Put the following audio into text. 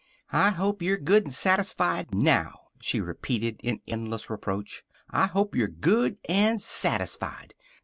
"I hope you're good an' satisfied now," she repeated in endless reproach. "I hope you're good an' satisfied.